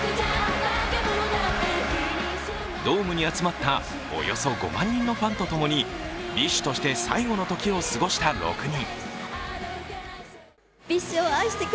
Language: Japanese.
ドームに集まったおよそ５万人のファンとともにＢｉＳＨとして最後の時を過ごした６人。